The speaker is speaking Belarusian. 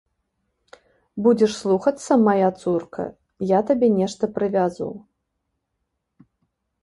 Будзеш слухацца, мая цурка, я табе нешта прывязу.